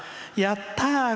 「やったー！